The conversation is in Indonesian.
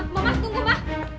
mama mama tunggu mama